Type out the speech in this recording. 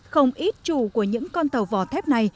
không ít chủ của những con tàu vỏ thép này